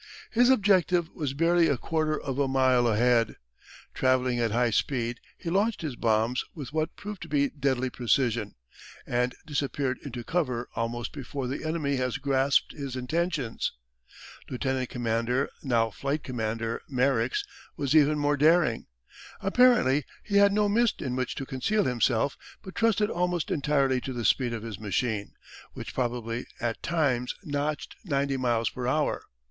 His objective was barely a quarter of a mile ahead. Travelling at high speed he launched his bombs with what proved to be deadly precision, and disappeared into cover almost before the enemy had grasped his intentions. Lieutenant Commander, now Flight Commander, Marix was even more daring. Apparently he had no mist in which to conceal himself but trusted almost entirely to the speed of his machine, which probably at times notched 90 miles per hour.